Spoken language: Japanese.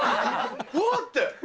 うわって。